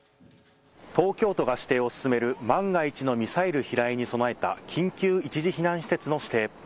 東京都が指定を進める万が一のミサイル飛来に備えた緊急一時避難施設の指定。